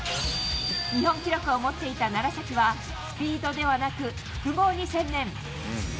日本記録を持っていた楢崎は、スピードではなく複合に専念。